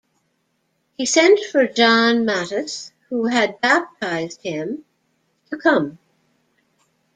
He sent for Jan Matthys, who had baptized him, to come.